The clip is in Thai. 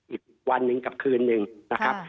อีกวันหนึ่งกับคืนหนึ่งนะครับ